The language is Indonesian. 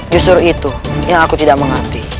justru itu yang aku tidak mengerti